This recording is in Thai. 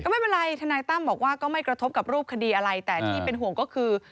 ไม่เป็นไรทนายตั้มบอกว่าก็ไม่กระทบกับรูปคดีอะไรแต่ที่เป็นห่วงก็คือ